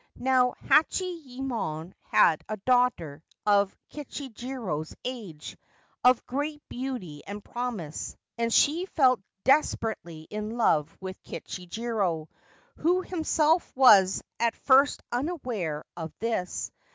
Now, Hachiyemon had a daughter of Kichijiro's age, of great beauty and promise, and she fell desperately in love with Kichijiro, who himself was at first unaware of this.